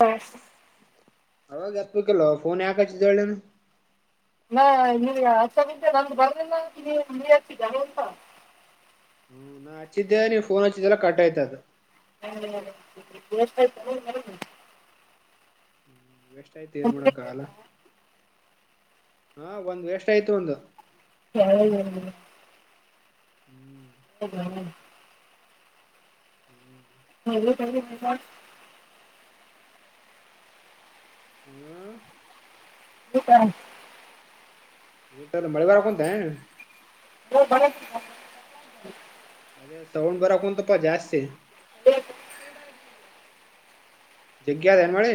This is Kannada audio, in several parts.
ಬಾಸ್. ಅವಾಗ ಹತ್ಬೇಕಲ್ ಫೋನ್ ಯಾಕ ಹಚ್ಚಿದಿ ಹೇಳ್ ನೀನ. [unintelligible] ಹ್ಮ್ ನಾ ಹಚ್ಚಿದ್ದೆ ನೀವು ಫೋನ್ ಹಚ್ಚಿದೆಲ್ಲ ಕಟ್ ಆಯ್ತದು. [unintelligible] ವೇಸ್ಟ್ ಆಯ್ತು ಏನ್ ಮಾಡೋಡಕ ಆಗಲ್ಲ ಹ ಒಂದ್ ವೇಸ್ಟ್ ಆಯ್ತು ಒಂದು. [unintelligible] ಹ್ಮ್. [unintelligible] [unintelligible] ಆ. [unintelligible] ಊಟಲ್ ಮಳಿ ಬಾರ ಕುಂತೀ. [unintelligible] ಅದೇ ಸೌಂಡ್ ಬರಾಕಂತಪ್ಪಾ ಜಾಸ್ತಿ. [unintelligible] ಜಗ್ಯ ಅದ ಏನ್ ಮಳಿ.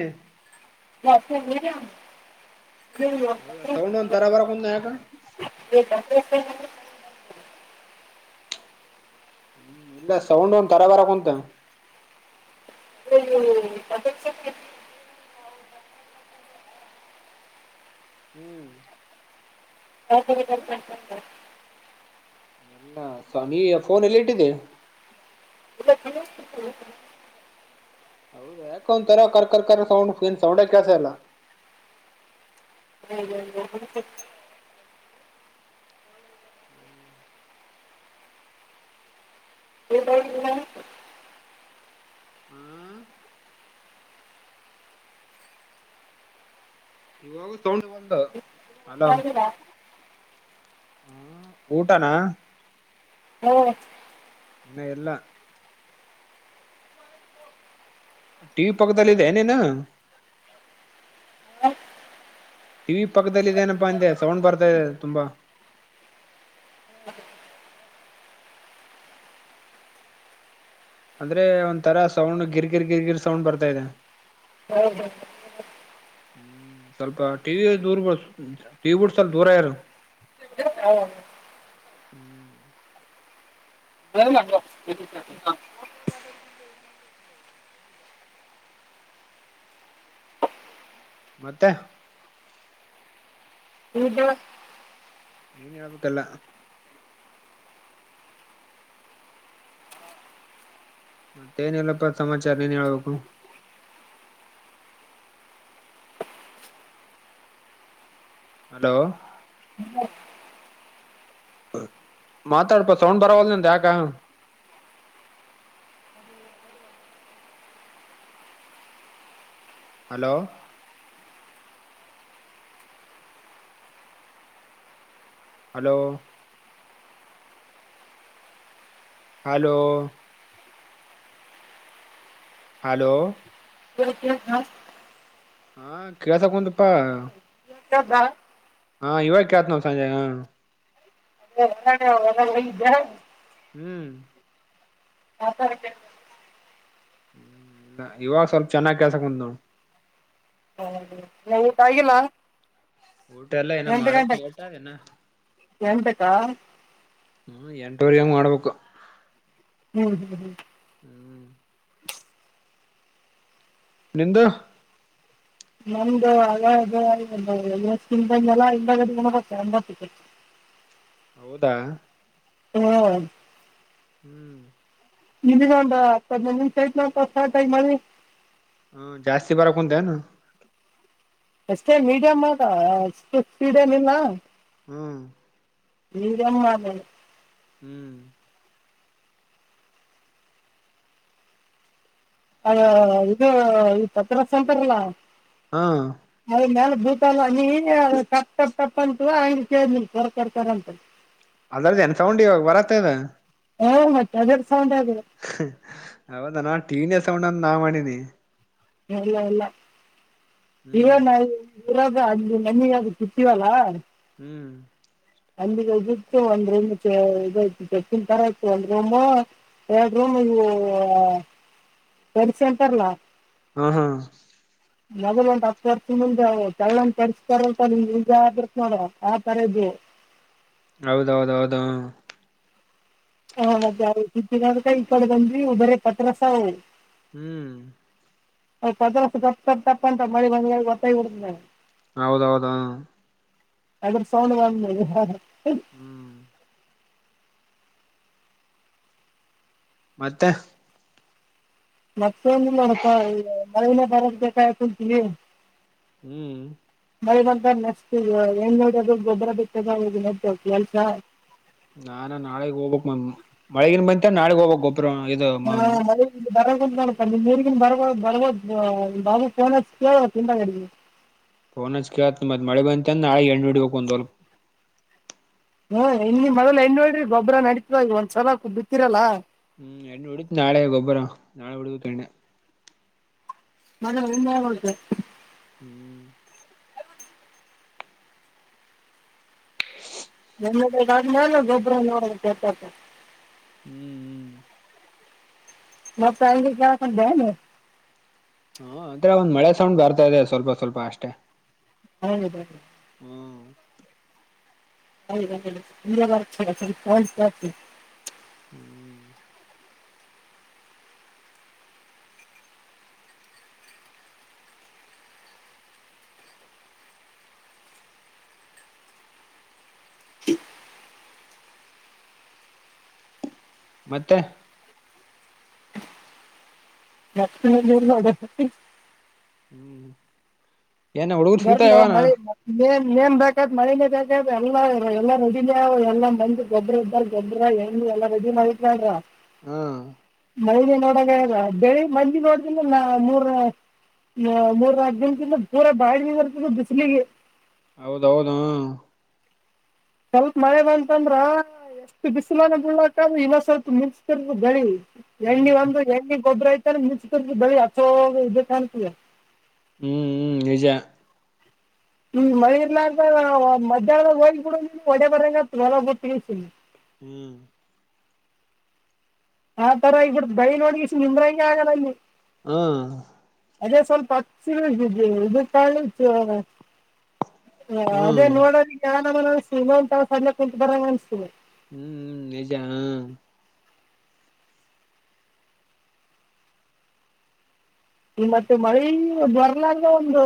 [unintelligible] ತರಬರ ಕುಂತ್ನ ಯಾಕ. [unintelligible] ಹ್ಮ್ ಇಲ್ಲ ಸೌಂಡ್ ಒಂದ್ ತರ ಬರ ಕುಂತ ಅಲ್ಲ. [unintelligible] ಹ್ಮ್. [unintelligible] ಹ ಸ ನೀ ಫೋನ್ ಎಲ್ಲಿ ಇಟ್ಟಿದ್ದಿ. [unintelligible] ಯಾಕೊಂತರ ಕರ್ ಕರ್ಕರ್ ಸೌಂಡ್ ಏನ್ ಸೌಂಡ್ ಕೇಳ್ತಾ ಇಲ್ಲ. [unintelligible] [unintelligible] ಹಾ. ಇವಾಗ ತಗೊಂಡ ಬಂದ. [unintelligible] ಊಟನಾ. ಹ್ಮ್. ಇನ್ನ ಇಲ್ಲಾ. ಟಿ ವಿ ಪಕ್ಕದಲ್ಲಿದೆ ನೀನು. ಟಿ ವಿ ಪಕ್ಕದಲ್ಲಿ ಇದೇನಪ್ಪಾ ಅಂದೆ ಸೌಂಡ್ ಬರ್ತಾ ಇದೆ ತುಂಬಾ. ಅಂದ್ರೆ ಒಂತರ ಸೌಂಡ್ ಗಿರ್ ಗಿರ್ ಗಿರ್ ಸೌಂಡ್ ಬರ್ತಾ ಇದೆ. ಹೌದೌದು. ಹ್ಮ್ ಸ್ವಲ್ಪ ಟಿವಿ ದೂರ್ ಟಿವಿ ಬಿಟ್ಟ ಸ್ವಲ್ಪ ದೂರ ಇರ. [unintelligible] ಹ್ಮ್ [unintelligible] ಮತ್ತೆ. [unintelligible] ನೀನ್ ಹೇಳ್ಬೇಕ ಎಲ್ಲಾ. ಮತ್ತೆ ಏನ ಇಲ್ಲಪ್ಪ ಸಮಾಚಾರ ನೀನೆ ಹೇಳ್ಬೇಕು. ಹಲೋ. [unintelligible] ಮಾತಾಡ್ಪ ಸೌಂಡ್ ಬರವಲ್ಲ ನಿಂದ ಯಾಕ. ಹಲೋ. ಹಲೋ. ಹಲೋ. ಹಲೋ. [unintelligible] ಹಾ ಕೆಲ್ಸಾ ಕುಂತಪ. [unintelligible] ಹಾ ಇವಾಗ ಕೆಲ್ಸಕತ್ತ ಚಂದಗೆ. [unintelligible] ಹೊರಗ ಇದ್ದೆ. ಹ್ಮ್. [unintelligible] ಹ್ಮ್ ಇಲ್ಲ ಇವಾಗ ಸ್ವಲ್ಪ ಚೆನ್ನಾಗ ಕೆಲ್ಸಕುಂತ ನೋಡ. ಇನ್ನ ಊಟ ಆಗಿಲ್ಲಾ. ಊಟ ಎಲ್ಲ ಏನ ಮಾಡೋಕ್ ಲೇಟ್ ಅದ ಇನ್ನ. ಎಂತಕ್ಕಾ. ಹ್ಮ ಎಂಟುವರೆ ಹಂಗ ಮಾಡಬೇಕು. ಹ್ಮ್ ಹ್ಮ್ ಹ್ಮ್. ಹ್ಮ್. ನಿಂದು. ನಮ್ದು ಅ ಇವೆಲ ಹಿಂದಾಗಡೆ ಉಣ್ಣಕತೆ. [unintelligible] ಹೌದಾ. ಹ್ಮ್. ಹ್ಮ್. ನಿನಗ ಒಂದು ಹತ್ತು ಹದ್ನೈದ್ ನಿಮ್ಷ ಐತ್. [unintelligible] ಹೂ ಜಾಸ್ತಿ ಬರಕುಂತೆನು. ಅಷ್ಟೇ ಮೀಡಿಯಂ ಅದ ಅಷ್ಟು ಸ್ಪೀಡ್ ಏನಿಲ್ಲ. ಹೂ. ಮೀಡಿಯಂ. [unintelligible] ಹ್ಮ್. ಅದ ಇದು ಈ ಪತ್ರ. [unintelligible] ಹಾ. ಮನಿ ಮ್ಯಾಲೆ ಬೀಳ್ತಲ್ವಾಲ್ಲ ಹನಿ ತಪ್ಪ ಅಂತ ಹಂಗ ಕೇಳ ಕರ್ ಕರ್ ಅಂತ. [inaudible] ಅದ್ರದ ಎನ್ ಸೌಂಡು ಇವಾಗ ಬರಾತ್ತದ. ಹೌದ್ ಮತ್ತೆ ಅದರ ಸೌಂಡ್ ಅದು. ಹೌದ ಏನ ಟಿವಿನೇ ಸೌಂಡ್ ಅಂತ ನಾ ಮಾಡೀನಿ. ಇಲ್ಲ ಇಲ್ಲ ಇವೇ ಹ್ಮ್ ನವ. [unintelligible] ಹ್ಮ್. ಅಂಗ್ಡಿಗ್ ಹೋಗಿತ್ತು ಒಂದ್ ರೂಮ್ ಇತ್ತು ಬೆಕ್ಕಿನ ತರ ಇತ್ತು ಒಂದ್ ರೂಮ. ಎರ್ಡ್ ರೂಮ ಇವು ಸರ್ಸ ಅಂತಾರಲ್ಲ. ಹ್ಮ ಹ್ಮ. ಮಗದ ಒಂದ್ ಹತ್ ವರ್ಷ ಹಿಂದಿಂದ ಚಳ್ಳನ್ ತರಿಸ್ತಾರಂತ ನಿಮ್ ನಿಜ ಆಬಿಡ್ತ್ ನೋಡ ಆವಾಗ ತರದು. ಹೌದೌದೌದ ಹ್ಮ. ಹಾ ಮದ್ಯಾನಕ್ [unintelligible] ಈ ಕಡಿ ಬಂದ್ವಿ ಬರೆ ಪತ್ರಸ ಅವು. ಹ್ಮ್. ಆ ಪತ್ರಾಸ ಟಪ್ ಟಪ್ ಟಪ್ ಅಂತ ಮಳಿ ಗಾಳಿಗಿ ಅಟ್ಟ ಹಿಡದನು. ಹೌದೌದ ಹ್ಮ್. ಅದ್ರ ಸೌಂಡ ಬಂದ್ಮೇಲ್ ಇಪ್ಪತ್ತ. ಹ್ಮ್. ಮತ್ತ. ಮತ್ತೇನಿಲ್ ನೋಡಪ್ಪ ಈಗ ಮಳಿನ ಬರದ ಬೇಕಾಗ ಕುಂತಿನಿ. ಹ್ಮ್. ಮಳಿ ಬಂತಂದ ನೆಕ್ಸಟಿಗೆ ಏನ್ ನೋಡದು ಗೊಬ್ಬರ ಬಿತ್ತದು ಅವಾಗಿರತ್ತೆ ಕೆಲ್ಸ. ನಾನು ನಾಳೆಗ್ ಹೋಗ್ಬೇಕ್ ಮ್ಯಾಮ್ ಮಳೆಗಿನ ಬಂತ ನಾಳಗ್ ಹೋಗ್ಬೇಕ್ ಗೊ ತ್ರ ಇದು. [unintelligible] ಇಲ್ಲ ಬರಂಗಿಲ್ಲ ನೋಡಪಾ ನಿಮ್ಮ್ ಊರಿಗ್ ಇನ್ನ್ ಬರ್ಬೋದ ಬರ್ಬೋದ ಬಾಬುಗ ಫೋನ್ ಹಚ್ ಕೇಳ ಹಿಂದಗಡಿಗಿ. ಫೋನ್ ಹಚ್ ಕೇಳತನ್ ಮತ್ ಮಳೆ ಬಂತಂದ್ರ್ ನಾಳೆಗ್ ಎಣ್ಣಿ ಹೊಡಿಬೇಕ ಒಂದ್ ಹೊಲಕ್ಕ್. ಹ್ಮ್ ಇನ್ನ್ ಮಳಿಲಿ ಎಣ್ಣಿ ಹೊಡಿರಿ ಗೊಬ್ಬರ ನಡೀತದ ಈಗ ಒಂದ್ ಸಲಕ ಬಿತ್ತಿರಲ್ಲ. ಹ್ಮ್ ಎಣ್ಣಿ ಹೊಡಿತನ ನಾಳೆ ಗೊಬ್ಬರ ನಾಳೆ ಹೊಡಿಬೇಕ್ ಎಣ್ಣೆ. [unintelligible] ಹ್ಮ್. ಹನ್ನೆರಡ ಆದ್ಮೇಲೆ ಗೊಬ್ಬರ ನೋಡಬೇಕ್ ಗೊತ್ತಾತದ. ಹ್ಮ್. ಹ್ಮ್ ಮತ್ ಅಲ್ಲಿಗ ಕೆಳಕಂತ್ಯಾ ನಿ. ಹ್ಮ್ ಅದ ಅನ್ನಿ ಮಳೆ ಸೌಂಡ್ ಬರ್ತಾ ಇದೆ ಸ್ವಲ್ಪ ಸ್ವಲ್ಪ ಅಷ್ಟೇ. ಅರಾಮಿದಾರ ಅವ್ರ್. ಹ್ಮ್. [unintelligible] ಹ್ಮ್. ಮತ್ತ. ಮತ್ತೇನಿಲ್ಲ ನೋಡ್ ಹ್ಮ್ ಏನ ಹುಡುಗರ ಸಿಗ್ತಾವ ಎನ. ಮೆನ್ ಮೇನ್ ಬೇಕತ್ ಮಳಿನೇ ಬೇಕತ್ ಎಲ್ಲಾ ಎಲ್ಲಾ ರೆಡಿನ ಅವ ಎಲ್ಲಾ ಮಂದಿ. ಗೊಬ್ಬರ ಗಿಬ್ಬರ್ ಗೆದ್ರಲ್ಲ ಎಲ್ಲಾ ರೆಡಿ ನ ಇಟ್ಕೊರಾ. ಹಾ. ಮಳಿನೇ ನೋಡದ ಆಗೇದ ಬೆಳಿ ಮಂದಿ ನೋಡ್ರಿದ್ರಲ್ಲನ್ ಮೂರ ಮೂರ್ನಾಕ ದಿವಸದಿಂದ ಪೂರಾ ಬಾಡಿ ಹೋಗಿರ್ತದ ಬಿಸಿಲಿಗಿ. ಹೌದೌದ ಹ್ಮ. ಸ್ವಲ್ಪ ಮಳಿ ಬಂತಂದ್ರ ಎಷ್ಟ ಬಿಸಿಲನ ಬಿಳ್ಳಕದ ಇನ ಸ್ವಲ್ಪ ಮಿಂಚತಿರ್ತದ ಬೆಳಿ. ಎಣ್ಣೆ ಹ್ಮ್ ಒಂದು ಎಣ್ಣೆ ಗೊಬ್ಬ್ರ ಐತಾನ ಮಿಂಚ್ತರ್ತದ ಬೆಳಿ ಅಚ್ಚೋ ಇದಕ್ಕ ಅಂತಿಗಿ. ಹ್ಮ್ ಹ್ಮ್ ನಿಜಾ. ಈಗ ಮಳಿ ಇರ್ಲಾರ್ದ ಅ ಮಧ್ಯಾಹ್ದ ಹೋಗಿ ಬಿಡ ನೀನ ಒಡೆ ಬರಗ ಹೊಲ ಗೊಟ್ಟೀ ಸ. ಹ್ಮ್. ಆ ತರ ಆಗಿ ಬಿಡತ್ತ ಬಯಲ ಹೋಗಿಸಿ ನಿಂದ್ರ ಹಂಗೆ ಆಗಲ್ಲ ಇಲ್ಲಿ. ಹಾ - ಅದೇ ಸ್ವಲ್ಪ ಹಚ್ಚಿರುದವಿ ಇದ ತೊಗೊಂಡಿದ್ದ [unintelligible] ಹ ಅದೇ ಹ್ಮ್ ನೋಡೋದ ಯಾರಮ್ಮನ್ ಅನಿಸ್ತವಿ ಇನ್ನೊಂದು ತಾಸು ಅಲ್ಲೇ ಕುಂತ ಬರ್ಬೇಕ ಅನಿಸ್ತೀದೇ. ಹ್ಮ್ ನಿಜ ಹ್ಮ್. ಈ ಮತ್ತೆ ಮಳೆ ಬರ್ಲಂಗ ಒಂದು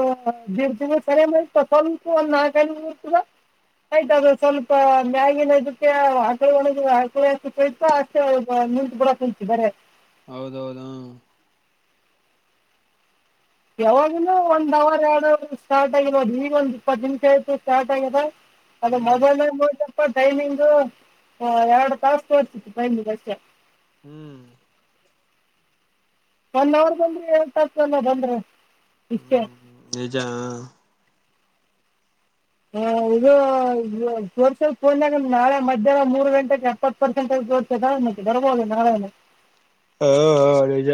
ಡೀಡ್ ತಿಂಗಳ ಸನೆ ಬಂತ್ ಸ್ವಲ್ಪ ಒಂದ ನಾಲ್ಕ ಐದ ಹನಿ [inaudible] ಆಯ್ತ ಅದು ಸ್ವಲ್ಪ ಮ್ಯಾಗಿನ ಇದಕ್ಕೆ ಆಕಳ ಒಳಗೆ ಆಕಳಯತ ನಿಂತು ಕೂಡ ಕಲ್ತಿದಾರೆ. ಹೌದೌದ ಹ್ಮ್. ಯಾವಾಗನ ಒಂದ್ ಅವರ್ ಎರಡ್ ಸ್ಟಾರ್ಟ್ ಆಗಿರದು ಈಗ ಒಂದ ಇಪ್ಪತ್ತು ನಿಮಿಷ ಆಯತು ಸ್ಟಾರ್ಟ್ ಆಗಿದೆ. ಅದ ಹ್ಮ್ ಮೊಬೈಲನ್ಯಾಗ ನೋಡಿನೆಪ್ಪ ಟೈಮಿಂಗ ಎರಡು ತಾಸ ತೋರಿಸತಿತ್ತು ಟೈಮಿಂಗ್ ಅಷ್ಟೆ ಹ್ಮ್. ಒಂದ ಅವರ್ ಬಂದ್ರಿ ಏನ್ ತಪ್ಪಲ್ಲ ಬಂದ್ರ. ಹ್ಮ್ ನಿಜ ಹ. ಹ ಇದು ಸರ್ಸಲ್ ಫೋನ್ಗ ನಾಳೆ ಮಧ್ಯಾಹ್ನ ಮೂರು ಗಂಟೆಗೆ ಇಪ್ಪತ್ತ ಪರ್ಸೆಂಟ್ ಬರ್ಬೋದು ನಾವೇನು ಹಾ ಹಾ ನಿಜ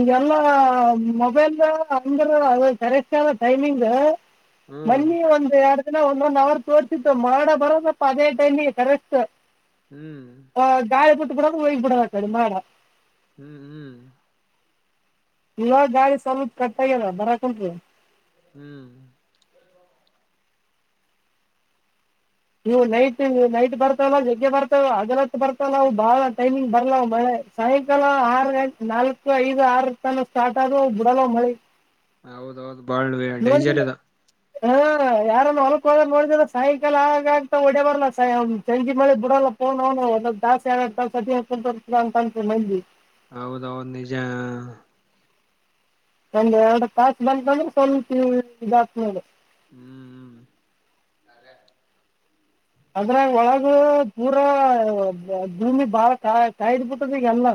ಈಗೆಲ್ಲಾ ಮೊಬೈಲ್ ಅಂದ ಕರೆಕ್ಟ್ ಆದ ಟೈಮಿಂಗ ಹ್ಮ್ ಮನ್ನಿ ಒಂದ್ ಎರಡ್ ದಿನ ಒಂದ್ ಒಂದ್ ಅವರ್ ತೋರ್ಸಿತ್ತ ಮಾಡ ಬರೋದಪ್ಪ ಅದೇ ಟೈನಿ ಕರೆಕ್ಟ್ ಹ್ಮ್. ಹ ಗಾಳಿ ಬಿಟ್ಟು ಬಿಡದು ಹೋಗಿ ಬಿಡೋದು ಅದ ಮಾಡ್ ಹ್ಮ್ ಹ್ಮ್. ಇಲ್ಲಿನೋಡ ಸ್ವಲ್ಪ ಕಟ್ಟ ಆಗೇದ ಬರಾಕುಂತದ. ಹ್ಮ್. ನೀವು ನೈಟ್ ನೈಟ್ ಬರ್ತಲ್ಲ ಜಗ್ಗೆ ಬರ್ತಾವ ಹಗಲತ್ತ ಬರ್ತಲ್ಲ ಅವು ಬಾಳ ಟೈಮಿಂಗ್ ಬರಲ್ಲ ಅವು ಮಳೆ ಸಾಯಂಕಾಲ ಆರ್ ನಾಲ್ಕು ಐದು ಆರ್ ಇರ್ತಾವ ಅಲ್ಲ ಸ್ಟಾರ್ಟ್ ಆದ ಬಿಡಲ್ಲ ಮಳೆ ಹೌದೌದು ಬಾಳ್ ಡೇಂಜರ್ ನೋಡಿದಿಲ್ಲ ಇದ. ಹಾ ಯಾರನ್ನು ಹೊಲಕ್ ಒಳ ನೋಡಿದ್ರ ಸಾಯಂಕಾಲ ಆಗ ಆಗ್ತಾ ಹೊಡೆ ಬರ್ಲ್ಲ ಸಂಜೆ ಮಳಿ ಬಿಡಲ್ಲ. [unintelligible] ಒಂದೊಂದ್ ತಾಸು ಎರಡ್ ತಾಸ ಅದರ್ತ ಅಂತರಿ ಮೈಲ್ಲಿ. ಹೌದದ ನಿಜ. ಒಂದ ಎರಡು ತಾಸು ಬಂತಕಂದ್ರೆ ಸ್ವಲ್ಪ ಇದಾಕ್ ನೇಲೆ ಹ್ಮ್ ಹ್ಮ್. ಅದ್ರಾಗ ಒಳಗ ಪೂರಾ ಗುಮ್ಮಿ ಬಾರ ಕಾಯಿಡ್ಬಿಟ್ಟದ ಈಗಲ್ಲ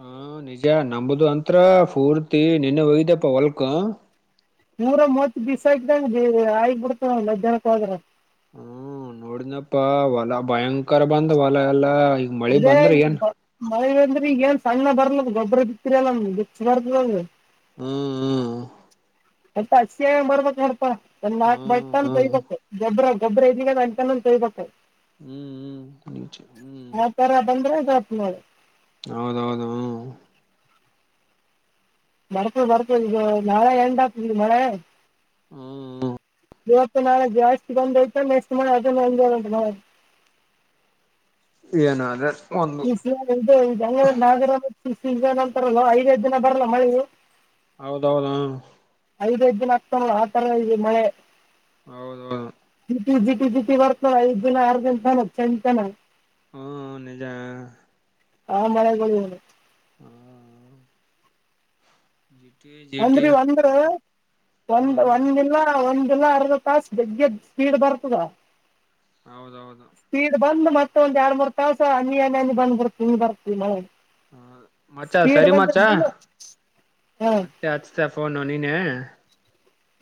ಹ ನಿಜ ನಂಬದು ಅಂತ್ರ ಫೂರ್ತಿ ನಿನ್ನೆ ಹೋಗಿದೆಪ್ಪ ಹೊಲ್ಕ ನೂರ ಮೂವತ್ ಬಿಸ್ ಆಕಂಗ ಆಗಿ ಬಿಡ್ತ ಮಧ್ಯಾಹ್ನಕ್ಕ ಹೋದ್ರ ಹ್ಮ ನೋಡಿದ್ನಪ್ಪಾ ಹೊಲ ಭಯಂಕರ ಬಂದ ಹೊಲ ಎಲ್ಲಾ ಮಳಿ ಅದೇ ಬಂದ್ರ ಏನ್ ಈಗ ಮಳೆ ಅಂದ್ರಿ ಈಗ ಏನ್ ಸಣ್ಣ ಬರ್ಲದ ಗೊಬ್ಬ್ರ ಬಿತ್ತರಿ ಅಲ್ಲ ಬಿಚ್ಚ ಬರ್ತದ ಅದು. ಹ್ಮ್. ಮತ್ತ ಹಸಿ ಆಗಿ ಬರ್ಬೇಕ ನೋಡ್ಪಾ ಒಂದ್ ನಾಲ್ಕ್ ಹ್ಮ್ ಬಟ್ಟಟ್ನ್ ಹ್ಮ್ ತೋಯಿಬೇಕು. ಗೊಬ್ರ ಗಬ್ಬ್ರ ಇದಗ ಅಲ್ಲಿ ತಾಣನು ತೋಯ್ಬೆಕ್. ಹ್ಮ್ ಹ್ಮ್ ಹ್ಮ್. ಆ ತರ ಬಂದ್ರೆ ಇದ ಆತದ ನೋಡು ಹೌದೌದು ಹ್ಮ್. ಬರ್ತದ ಬರ್ತದ ಇದು ನಾಳೆ ಎಂಡ್ ಆಗ್ತದೆ ಮಳೆ. ಹ್ಮ. ಇವತ್ತು ನಾಳು ಜಾಸ್ತಿ ಬಂದೈಐತ ನೆಕ್ಸ್ಟ್ ಮಳೆ ಅದಂಟ. ಏನ ರೆಸ್ಪಾನ್ಸ್ ಒಂದು. ಉಸ್ಲಗ್ ಇದೇ ನಾಗರ ಸೀಸನ್ ಅಂತರ ಐದೈಐದು ದಿನ ಬರಲ್ಲ ಮಳೆ. [unintelligible] ಹೌದೌದಾ.. ಐದ್ಐದ್ ಹಾಕ್ತಾನಲ್ಲ ದಿನ ಹಾಕ್ತಾನಲ್ಲ ಅತಾರ ಇದು ಮಳೆ. ಹೌದೌದು. ಜಿಟಿ ಜಿಟಿ ಜಿಟಿ ಬರ್ತಲ್ಲಾ ಐದು ದಿನ ಯಾರಗಂತ ನಮ್ಮ್ ಫ್ರೆಂಡ್ ತಾನೇ. ಹ್ಮ್ ನಿಜ. ಹಾ ಮಳೆ ಗುಳಿಇವ್ರು. ಹಾ ಹಾ ಹಾ. [inaudible] ಜಿಟೈ. [inaudible] ಅಂದ್ರಿ ಒಂದು ಒಂದ ಒಂದು ದಿನ. ಆಲ್ಲ ಒಂದಿಲ್ಲ ಅರ್ಧ ತಸ್ ಬೆಗ್ಗೆದ್ [unintelligible] ಸ್ಪೀಡ್ ಬರ್ತದ. ಹೌದೌದು. ಸೀಡ್ ಬಂದು ಮತ್ತೊಂದ್ ಎರಡ್ ಮೂರ್ ತಾಸ ಹನಿ ಹನಿ ಬಂದಬಿಡುತ್ತೆ ಇಂಗ್ ಬರುತ್ತೆ ಈ ಮಳೆ. ಹ ಮಚ್ಚಾ ಸ್ಪೀಡ್ ಸರಿ ಮಚ್ಚಾ ಬಂದಿರ್ತಿಲ್ಲ ಹ ಮತ್ತೆ ಅಚ್ತೀಯಾ ಫೋನು ನೀನೇ.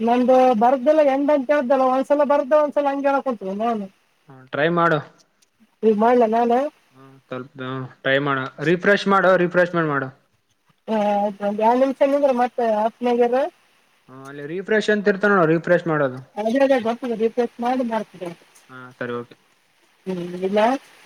ನಮ್ದು ಬರ್ದೆಲ್ಲ ಹೆಂಗ್ತ ಹೇಳೇಳ್ ಒಂದ್ಸಲ ಬರ್ದ್ದೆ ಒಂದ್ಸಲ ಹಂಗೆ ಹೇಳಕನಂತಿವೆ ನೊಡೋಣ. ಹಾ ಟ್ರೈ ಮಾಡು. ಈಗ ಮಾಡ್ಲ ನಾನೇ? ಹ ಸ್ವಲ್ಪ ಟ್ರೈ ಮಾಡು ರಿಫ್ರೆಶ್ ಮಾಡು ರಿಫ್ರೆಶ್ ಮಾಡಿ ಮಾಡು. ಆಯ್ತು ಒಂದ್ ಎರಡು ನಿಮಿಷ ನಿಂದ್ರೆ ಮತ್ತೇ ಹತ್ತನೇಗೆರೆ. ಹಾ ಅಲ್ಲಿ ರಿಫ್ರೆಶ್ ಅಂತ ಇರುತ್ತೆ ನೋಡು ರೀ. ಒಳಗಡೆ ಇದೇ ಗೊತ್ತು ರಿಫ್ರೆಶ್ ಮಾಡಿ ಮಾಡ್ತಿನೇಳು ಹಾ ಸರಿ ಓಕೆ ಹ್ಮ್ ಇಡಲ್ಲಾ. [unintelligible]